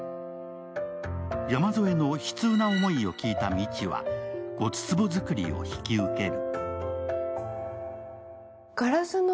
山添の悲痛な思いを聞いた道は、骨壺作りを引き受ける。